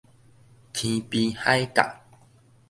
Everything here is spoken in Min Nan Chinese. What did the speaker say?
天邊海角